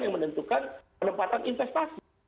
yang menentukan penempatan investasi